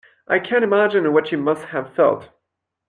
I can imagine what you must have felt.